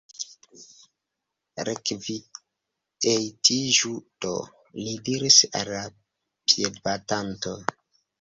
Rekvietiĝu do! li diris al la piedbatanto.